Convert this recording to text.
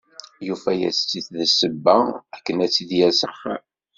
Yufa-as-tt-id d ssebba akken ad tt-id-yerr s axxam.